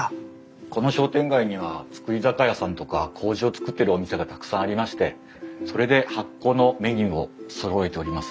この商店街には造り酒屋さんとかこうじを造ってるお店がたくさんありましてそれで発酵のメニューをそろえております。